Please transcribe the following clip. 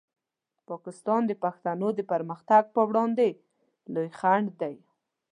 پاکستان د پښتنو د پرمختګ په وړاندې لوی خنډ دی.